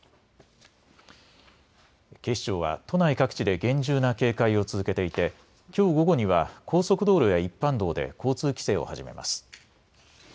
警視庁は都内各地で厳重な警戒を続けていて、きょう午後には高速道路や一般道で交通規制を始めます。